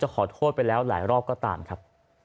ขอโทษไปแล้วหลายรอบก็ตามครับ